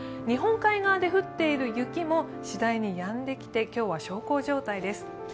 日本海側で降っている雪もしだいにやんできて、今日は小康状態です。